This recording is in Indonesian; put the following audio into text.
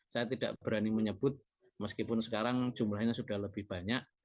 saya tidak berani menyebut meskipun sekarang jumlahnya sudah lebih banyak